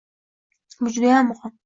Bu judayam muhim.